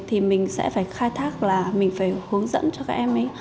thì mình sẽ phải khai thác là mình phải hướng dẫn cho các em ấy